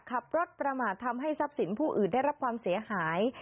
ขับรถประมาททำให้ทรัพย์สินผู้อื่นได้รับความเสียหาย